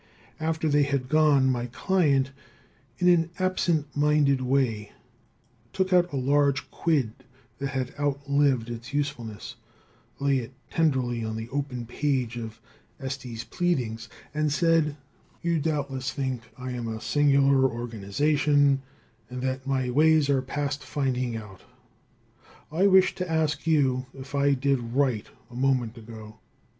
After they had gone, my client, in an absent minded way, took out a large quid that had outlived its usefulness, laid it tenderly on the open page of Estey's Pleadings, and said: "You doubtless think I am a singular organization, and that my ways are past finding out. I wish to ask you if I did right a moment ago?"